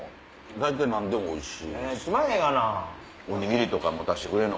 大体何でもおいしいです。